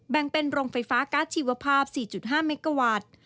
แบ่งเป็นโรงไฟฟ้าการ์ดชีวภาพ๔๕เมกาวัตต์